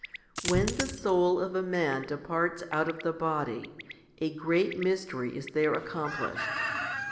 i. WHEN the soul of a man departs out of the body, a great mystery is there accomplished.